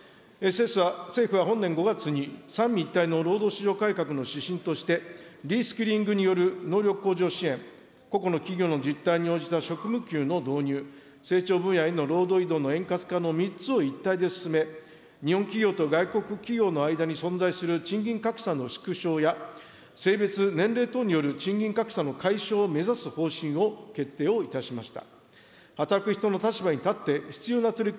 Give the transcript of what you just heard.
政府は本年５月に、三位一体の労働市場改革の指針として、リスキリングによる能力向上支援、個々の実態に応じた職務給の導入、成長分野への労働移動への円滑化の３つを進め、日本企業と外国企業の間に存在する賃金格差の縮小や性別、年齢等による賃金格差の解消を目指す方針を決定をいたしました。